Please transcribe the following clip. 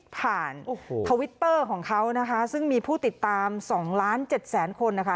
ทวิตเตอร์ของเขานะคะซึ่งมีผู้ติดตาม๒ล้านเจ็ดแสนคนนะคะ